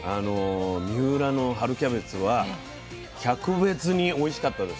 三浦の春キャベツは「格別」においしかったですね。